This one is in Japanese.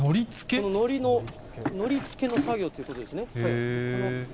こののり付けの作業ということですね。